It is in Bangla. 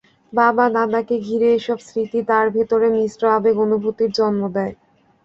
বাবা দাদাকে ঘিরে এসব স্মৃতি তাঁর ভেতরে মিশ্র আবেগ অনুভূতির জন্ম দেয়।